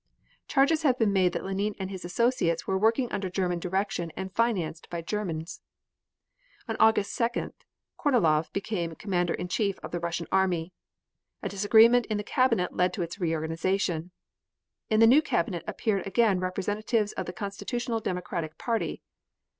Charges had been made that Lenine and his associates were working under German direction and financed by Germans. On August 2d, Kornilov became Commander in Chief of the Russian army. A disagreement in the Cabinet led to its reorganization. In the new Cabinet appeared again representatives of the Constitutional Democratic party.